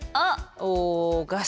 おおガス。